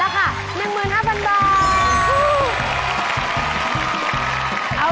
ตอนนี้ถึงวัดกับคุณลูกสาว